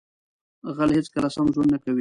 غل هیڅکله سم ژوند نه کوي